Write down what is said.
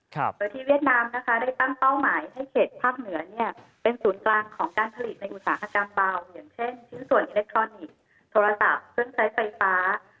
โดยที่เวียดนามนะคะได้ตั้งเป้าหมายให้เขตภาพเหนือเนี่ยเป็นศูนย์กลางของการผลิตในอุตสาหกรรมเบา